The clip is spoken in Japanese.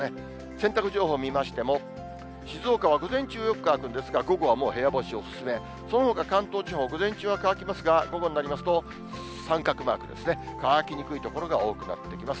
洗濯情報見ましても、静岡は午前中よく乾くんですが、午後はもう部屋干しお勧め、そのほか関東地方、午前中は乾きますが、午後になりますと、三角マークですね、乾きにくい所が多くなってきます。